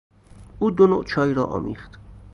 او دو نوع چای را آمیخت.